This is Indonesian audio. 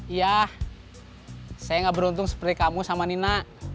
iya saya gak beruntung seperti kamu sama nina